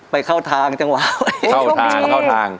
ไปเข้าทางจังหวะ